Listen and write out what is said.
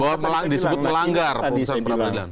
bahwa disebut melanggar perusahaan perapradilan